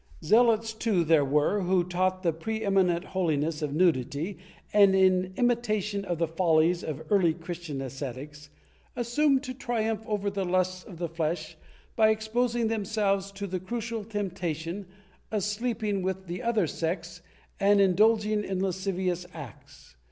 * Zealots too there were who taught the pre eminent holiness of nudity and, in imitation of the follies of early Christian ascetics, assumed to triumph over the lusts of the flesh by exposing themselves to the crucial temp tation of sleeping with the other sex and indulging in lascivious acts.